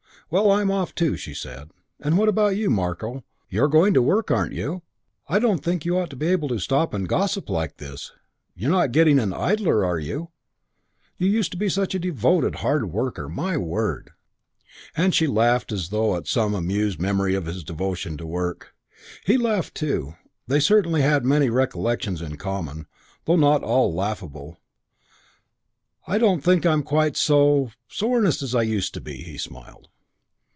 "Well, I'm off too," she said. "And what about you, Marko? You're going to work, aren't you? I don't think you ought to be able to stop and gossip like this. You're not getting an idler, are you? You used to be such a devoted hard worker. My word!" and she laughed as though at some amused memory of his devotion to work. He laughed too. They certainly had many recollections in common, though not all laughable. "I don't think I'm quite so so earnest as I used to be," he smiled.